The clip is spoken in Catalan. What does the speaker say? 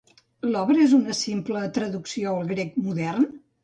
L'obra és una simple traducció al grec modern?